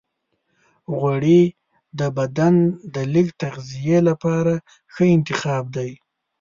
غوړې د بدن د لږ تغذیې لپاره ښه انتخاب دی.